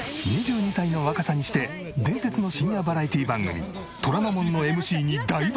２２歳の若さにして伝説の深夜バラエティ番組『虎ノ門』のＭＣに大抜擢！